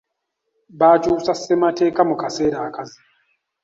Baakyusa ssemateeka mu kaseera akazibu.